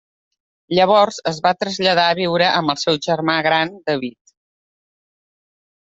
Llavors es va traslladar a viure amb el seu germà gran David.